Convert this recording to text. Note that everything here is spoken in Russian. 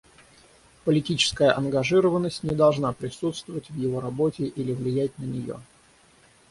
Политическая ангажированность не должна присутствовать в его работе или влиять на нее.